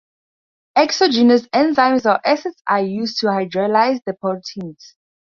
Exogenous enzymes or acids are used to hydrolyze the proteins.